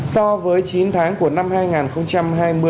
so với chín tháng của năm hai nghìn hai mươi